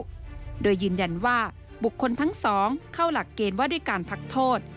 มากกว่าสามเดือนแล้วโดยยืนยันว่าบุคคลทั้งสองเข้าหลักเกณฑ์ว่าด้วยการพักโทษ